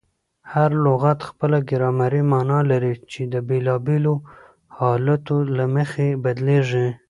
هر لغت خپله ګرامري مانا لري، چي د بېلابېلو حالتو له مخي بدلیږي.